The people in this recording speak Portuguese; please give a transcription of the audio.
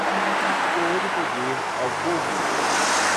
Todo poder ao povo.